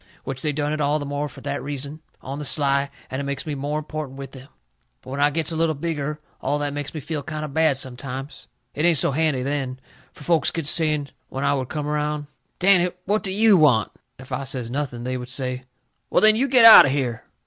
Which they done it all the more fur that reason, on the sly, and it makes me more important with them. But when I gets a little bigger, all that makes me feel kind o' bad sometimes. It ain't so handy then. Fur folks gets to saying, when I would come around: "Danny, what do YOU want?" And if I says, "Nothing," they would say: "Well, then, you get out o' here!"